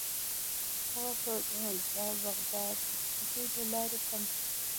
فقر به د باغدارۍ له لارې کم شي.